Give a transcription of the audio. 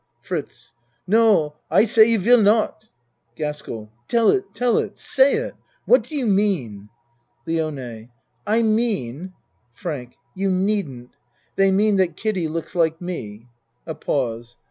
FRITZ No, I say you will not. GASKELL Tell it tell it ! Say it. What do you mean? LIONE I mean FRANK You needn't. They mean that Kiddie looks like me. (A pause.